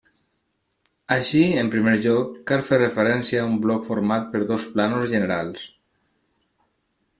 Així, en primer lloc, cal fer referència a un bloc format per dos plànols generals.